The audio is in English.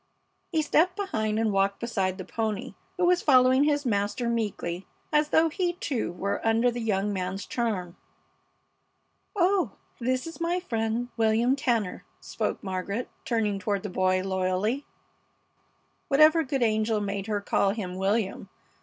He stepped behind and walked beside the pony, who was following his master meekly, as though he, too, were under the young man's charm. "Oh, and this is my friend, William Tanner," spoke Margaret, turning toward the boy loyally, (Whatever good angel made her call him William?